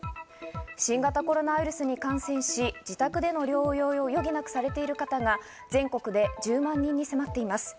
新型コロナウイルスに感染し、自宅での療養を余儀なくされている方が全国で１０万人に迫っています。